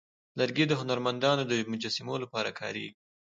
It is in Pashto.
لرګی د هنرمندانو د مجسمو لپاره کارېږي.